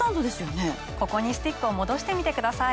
ここにスティックを戻してみてください。